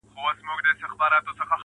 ائینه زړونه درواغ وایي چي نه مرو.